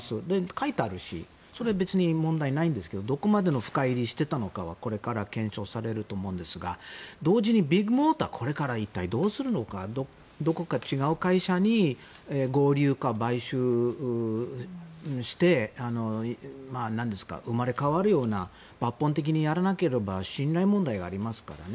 書いてあるしそれは別に問題ないんですがどこまで深入りしていたのかはこれから検証されると思うんですが同時にビッグモーターこれから一体、どうするのかどこか違う会社に合流か買収して生まれ変わるような抜本的にやらなければ信頼問題がありますからね。